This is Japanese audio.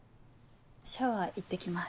シャワー行って来ます。